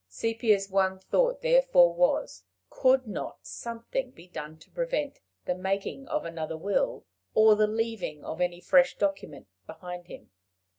Sepia's one thought therefore was: could not something be done to prevent the making of another will, or the leaving of any fresh document behind him?